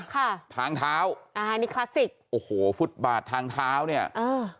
ค่ะทางเท้าอ่านี่คลาสสิกโอ้โหฟุตบาททางเท้าเนี่ยอ่า